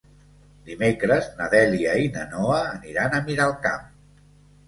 Dimecres na Dèlia i na Noa aniran a Miralcamp.